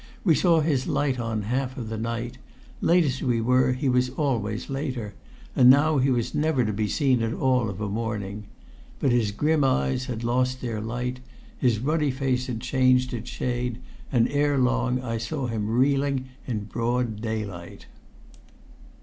We saw his light on half of the night; late as we were, he was always later; and now he was never to be seen at all of a morning. But his grim eyes had lost their light, his ruddy face had changed its shade, and erelong I saw him reeling in broad daylight.